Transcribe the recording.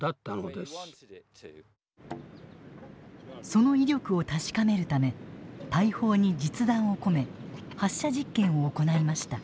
その威力を確かめるため大砲に実弾を込め発射実験を行いました。